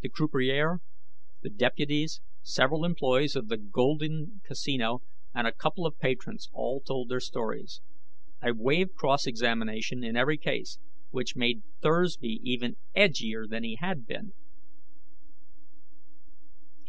The croupier, the deputies, several employees of the Golden Casino, and a couple of patrons all told their stories. I waived cross examination in every case, which made Thursby even edgier than he had been.